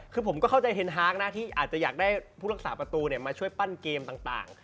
คือผมก็เข้าใจเฮนฮาร์กนะที่อาจจะอยากได้ผู้รักษาประตูมาช่วยปั้นเกมต่าง